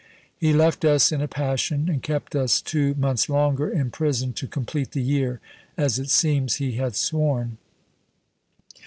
He left us in a passion, and kept us two months longer in prison to complete the year, as it seems he had sworn."